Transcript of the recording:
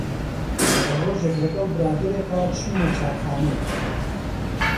ڕۆژێک لەگەڵ برادەرێکا چووینە چاخانەیەک